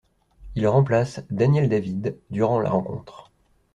Il remplace Daniel David durant la rencontre.